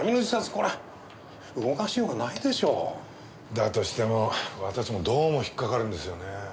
だとしても私もどうも引っ掛かるんですよね。